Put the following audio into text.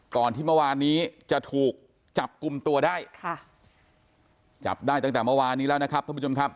ก่อนที่เมื่อวานนี้จะถูกจับกลุ่มตัวได้ค่ะจับได้ตั้งแต่เมื่อวานนี้แล้วนะครับท่านผู้ชมครับ